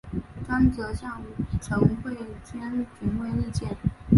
张则向陈惠谦询问意见。